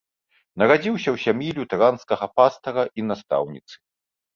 Нарадзіўся ў сям'і лютэранскага пастара і настаўніцы.